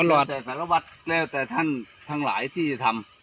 รอแต่สารวัตรแล้วแต่ท่านทั้งหลายที่ทำ